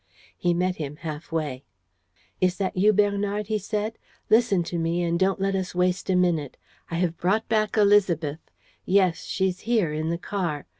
He met him half way: "Is that you, Bernard?" he said. "Listen to me and don't let us waste a minute. I have brought back Élisabeth. Yes, she's here, in the car.